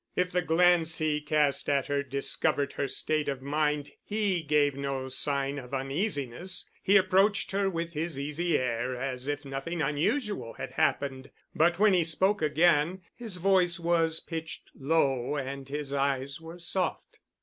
If the glance he cast at her discovered her state of mind, he gave no sign of uneasiness. He approached her with his easy air as if nothing unusual had happened, but when he spoke again his voice was pitched low and his eyes were soft.